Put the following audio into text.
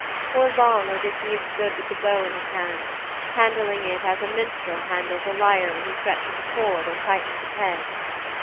For long Odysseus stood with the bow in his hands, handling it as a minstrel handles a lyre when he stretches a cord or tightens a peg.